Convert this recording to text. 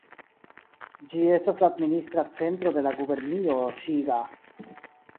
Ĝi estas la administra centro de la gubernio Ŝiga.